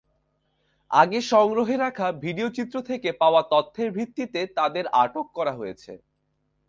আগে সংগ্রহে রাখা ভিডিওচিত্র থেকে পাওয়া তথ্যের ভিত্তিতে তাঁদের আটক করা হয়েছে।